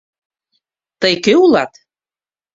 — Тый кӧ улат?!